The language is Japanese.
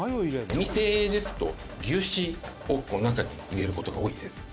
「お店ですと牛脂を中に入れる事が多いです」